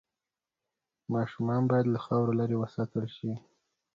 ماشومان باید له خاورو لرې وساتل شي۔